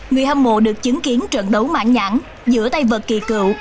người hâm mộ được chứng kiến trận đấu mãn nhãn giữa tay vật kỳ cựu